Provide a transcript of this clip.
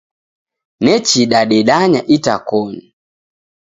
Nechi dadedanya itakoni.